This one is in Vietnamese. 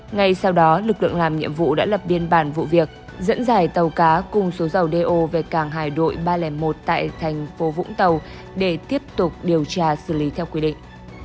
ngay sau đó lực lượng làm nhiệm vụ đã lập biên bản vụ việc dẫn dải tàu cá cùng số dầu do về cảng hải đội ba trăm linh một tại thành phố vũng tàu để tiếp tục điều tra xử lý theo quy định